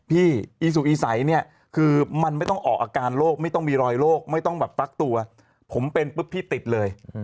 อีซูอีใสเนี่ยคือมันไม่ต้องออกอาการโรคไม่ต้องมีรอยโรคไม่ต้องแบบฟักตัวผมเป็นปุ๊บพี่ติดเลย